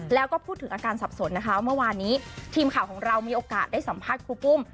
แล้วก็พูดถึงอาการสับสนนะคะเมื่อวานนี้ทีมข่าวของเรามีโอกาสได้สัมภาษณ์ครูปุ้ม